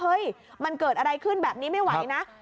เฮ้ยมันเกิดอะไรขึ้นแบบนี้ไม่ไหวนะ